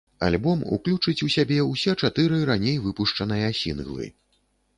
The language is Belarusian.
Альбом уключыць у сябе ўсе чатыры раней выпушчаныя сінглы.